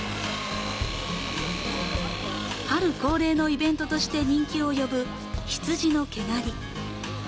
春恒例のイベントとして人気を呼ぶ羊の毛刈り。